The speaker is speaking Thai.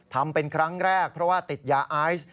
ทำเป็นครั้งแรกเพราะว่าติดยาไอซ์